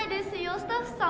スタッフさん？